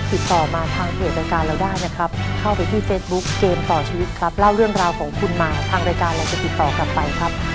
ติดต่อมาทางเพจรายการเราได้นะครับเข้าไปที่เฟซบุ๊คเกมต่อชีวิตครับเล่าเรื่องราวของคุณมาทางรายการเราจะติดต่อกลับไปครับ